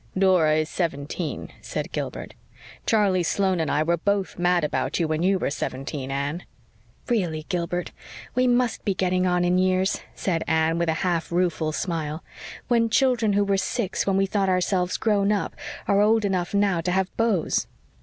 "Dora is seventeen," said Gilbert. "Charlie Sloane and I were both mad about you when you were seventeen, Anne." "Really, Gilbert, we must be getting on in years," said Anne, with a half rueful smile, "when children who were six when we thought ourselves grown up are old enough now to have beaux.